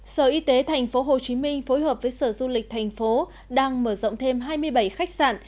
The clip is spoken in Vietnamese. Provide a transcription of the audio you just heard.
sở y tế tp hcm phối hợp với sở du lịch thành phố đang mở rộng thêm hai mươi bảy khách sạn